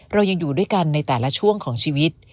เรายังอยู่ด้วยกันในแต่ละช่วงของชีวิต